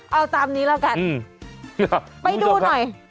เอาตามนี้แล้วกันไปดูหน่อย